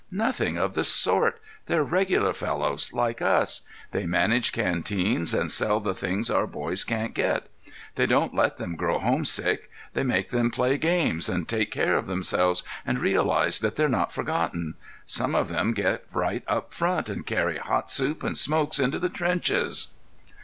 "Nothing of the sort! They're regular fellows, like us. They manage canteens and sell the things our boys can't get. They don't let them grow homesick; they make them play games and take care of themselves and realize that they're not forgotten. Some of them get right up front and carry hot soup and smokes into the trenches."